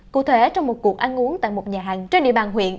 cụ thể trong một cuộc ăn uống tại một nhà hàng trên địa bàn huyện